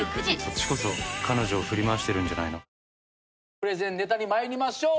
プレゼンネタに参りましょう。